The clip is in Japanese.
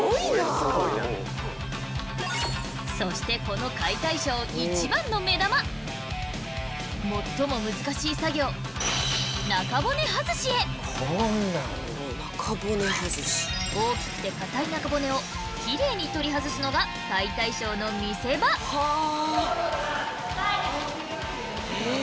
そしてこの解体ショー一番の目玉最も難しい作業大きくて硬い中骨をきれいに取り外すのが解体ショーの見せ場！え。